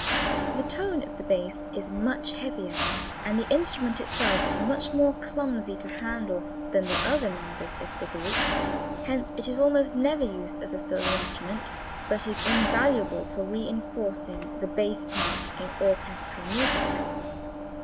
The tone of the bass is much heavier and the instrument itself is much more clumsy to handle than the other members of the group, hence it is almost never used as a solo instrument but it is invaluable for reinforcing the bass part in orchestral music.